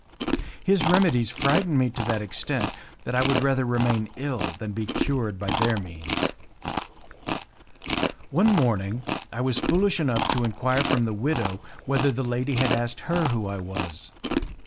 His remedies frightened me to that extent that I would rather remain ill than be cured by their means. One morning I was foolish enough to enquire from the widow whether the lady had asked her who I was.